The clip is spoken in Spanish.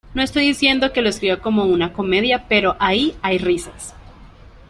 No estoy diciendo que lo escriba como una comedia, pero ahí hay risas"".